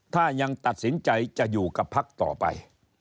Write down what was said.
ถ้ายังตัดสินใจจะอยู่กับพักต่อไป